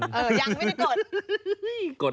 ยังไม่ได้กด